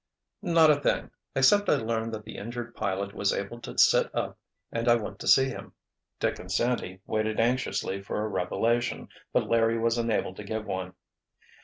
"Not a thing—except I learned that the injured pilot was able to sit up and I went to see him." Dick and Sandy waited anxiously for a revelation, but Larry was unable to give one.